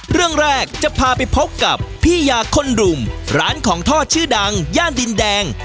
เรื่องแรกจะพาไปพบกับพี่ยาคนรุมร้านของทอดชื่อดังย่านดินแดง